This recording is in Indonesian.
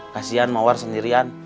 kasian mawar sendirian